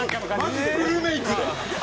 マジでフルメイクで。